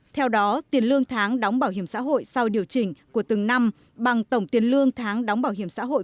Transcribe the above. theo đó tiền lương tháng đóng bảo hiểm xã hội sau điều chỉnh của từng năm bằng tổng tiền lương tháng đóng bảo hiểm xã hội